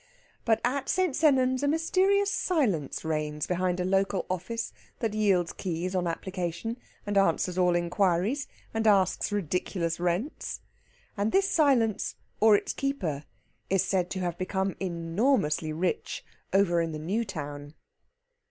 But at St. Sennans a mysterious silence reigns behind a local office that yields keys on application, and answers all inquiries, and asks ridiculous rents. And this silence, or its keeper, is said to have become enormously rich over the new town.